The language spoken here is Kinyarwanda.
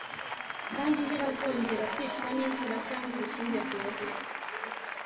kandi ntibazongera kwicwa n izuba cyangwa ubushyuhe bwotsa